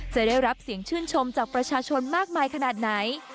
จะได้รับเสียงชื่นชมจากประชาชนมากมายขนาดไหน